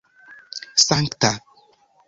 sankta